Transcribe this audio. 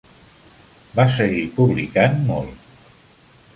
Va seguir publicant molt.